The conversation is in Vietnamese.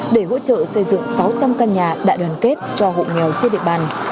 để hỗ trợ xây dựng sáu trăm linh căn nhà đại đoàn kết cho hộ nghèo trên địa bàn